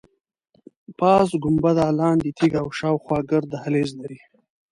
پاس ګنبده، لاندې تیږه او شاخوا ګرد دهلیز لري.